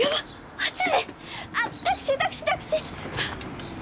タクシータクシータクシー！